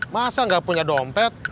masa nggak punya dompet